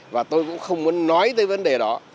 và tôi cũng không muốn nói tới vấn đề đó